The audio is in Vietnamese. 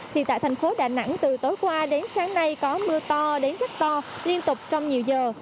thì tại thành phố đà nẵng từ tối qua đến sáng nay có mưa to đến rất to liên tục trong nhiều giờ